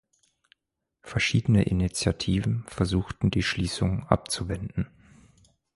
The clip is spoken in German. Verschiedene Initiativen versuchten, die Schliessung abzuwenden.